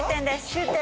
終点。